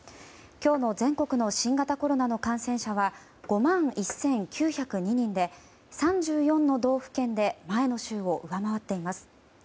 今日の全国の新型コロナの感染者は５万１９０２人で３４の道府県で前の週を上回っています。